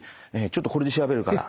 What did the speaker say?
ちょっとこれで調べるから。